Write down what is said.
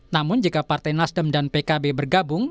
namun jika partai nasdem dan pkb bergabung